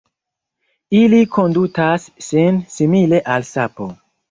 Ili kondutas sin simile al sapo.